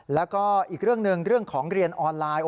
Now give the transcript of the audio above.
แล้วก็อีกเรื่องหนึ่งเรื่องของเรียนออนไลน์